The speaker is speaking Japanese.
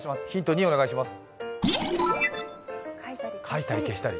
２お願いします。